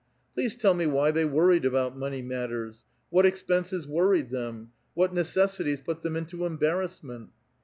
*' Please tell me why they worried about money matters? What expenses worried them? What necessities put them into embarrassment?"